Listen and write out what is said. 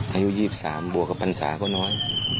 อายุ๒๓บวกกับพรรษาก็น้อย